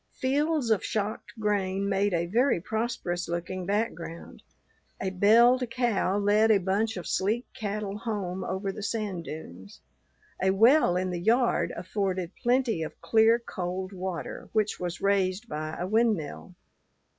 Fields of shocked grain made a very prosperous looking background. A belled cow led a bunch of sleek cattle home over the sand dunes. A well in the yard afforded plenty of clear, cold water, which was raised by a windmill.